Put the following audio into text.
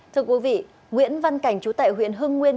thưa quý vị nguyễn văn cảnh chú tại huyện hưng nguyên